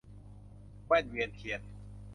แว่นเวียนเทียน